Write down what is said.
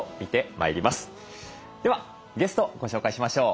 ではゲストをご紹介しましょう。